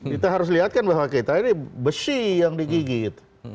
kita harus lihatkan bahwa kita ini besi yang digigit